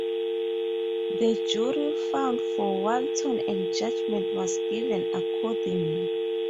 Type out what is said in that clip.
The jury found for Walton and judgment was given accordingly.